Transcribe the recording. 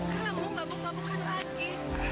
kamu mabuk mabukan lagi